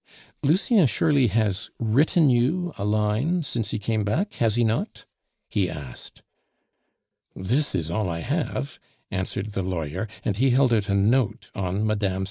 "Lucien surely has written you a line since he came back, has he not?" he asked. "This is all that I have," answered the lawyer, and he held out a note on Mme.